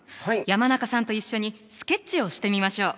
山中さんと一緒にスケッチをしてみましょう！